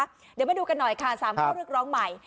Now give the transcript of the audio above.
เดี๋ยวมาดูกันหน่อยค่ะ๓ข้อเรียกร้องใหม่